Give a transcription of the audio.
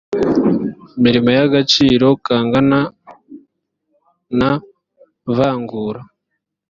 imirimo y agaciro kangana nta vangura